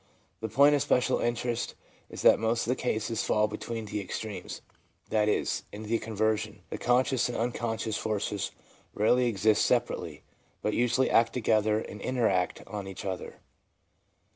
The point of special interest is that most of the cases fall between the extremes, that is, in conversion the con scions and unconscious forces rarely exist separately ', but usually act together and interact on each other.